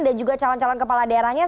dan juga calon calon kepala daerahnya